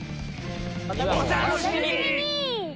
お楽しみに！